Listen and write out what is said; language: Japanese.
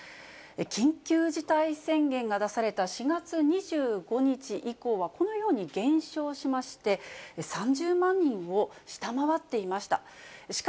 緊急事態宣言が出された４月２５日以降は、このように減少しまして、３０万人を下回っていました。